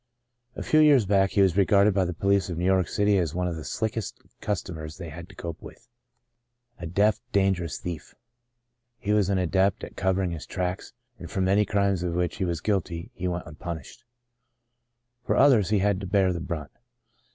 A few years back, he was regarded by the police of New York City as one of the "slickest'* cus tomers they had to cope with — a deft, dan gerous thief. He was an adept at covering his tracks, and for many crimes of which he was guilty, he went unpunished. For others he had to bear the brunt.